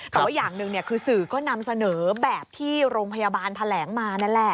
แต่ว่าอย่างหนึ่งคือสื่อก็นำเสนอแบบที่โรงพยาบาลแถลงมานั่นแหละ